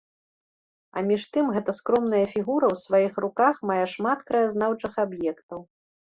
А між тым гэта скромная фігура ў сваіх руках мае шмат краязнаўчых аб'ектаў.